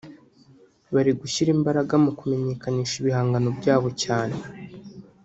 bari gushyira imbaraga mu kumenyekanisha ibihangano byabo cyane